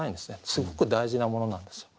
すごく大事なものなんですよ。